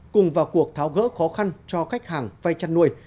cùng vào cuộc tháo gỡ khó khăn cho khách hàng vay chăn nuôi